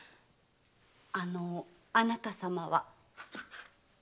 あのあなたさまは？